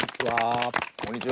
こんにちは。